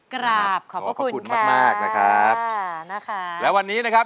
กราบขอบคุณค่ะขอบคุณมากนะครับแล้ววันนี้นะครับ